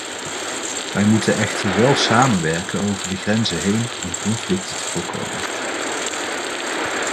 Wij moeten echter wel samenwerken over de grenzen heen om conflicten te voorkomen.